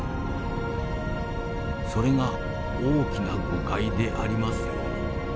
それが大きな誤解でありますように。